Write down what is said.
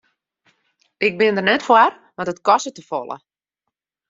Ik bin der net foar want it kostet te folle.